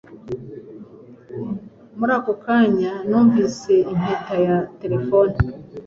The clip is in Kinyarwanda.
Muri ako kanya, numvise impeta ya terefone